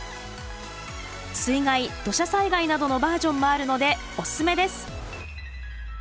水害土砂災害などのバージョンもあるのでおすすめです。